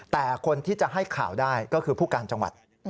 แต่คนที่จะให้ข่าวได้ก็คือผู้การจังหวัด